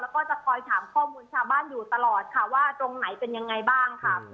แล้วก็จะคอยถามข้อมูลชาวบ้านอยู่ตลอดค่ะว่าตรงไหนเป็นยังไงบ้างค่ะ